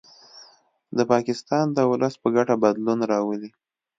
د پاکستان د ولس په ګټه بدلون راولي